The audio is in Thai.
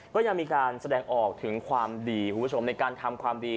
ก็ยังมีการแสดงออกถึงความดีคุณผู้ชมในการทำความดี